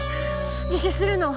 自首するの。